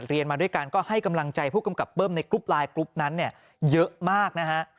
เรียนมาด้วยกันก็ให้กำลังใจผู้กำกับเปิ้มในกลุ่มลายกลุ่มนั้นเยอะมาก